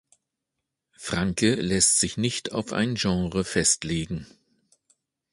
Franke lässt sich nicht auf ein Genre festlegen.